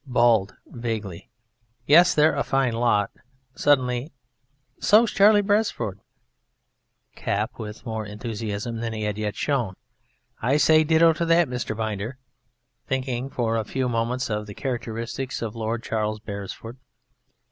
BALD (vaguely): Yes, they're a fine lot! (Suddenly) So's Charlie Beresford! CAP (with more enthusiasm than he had yet shown): I say ditto to that, Mr. Binder! (_Thinking for a few moments of the characteristics of Lord Charles Beresford.